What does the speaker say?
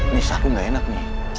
nis aku gak enak nih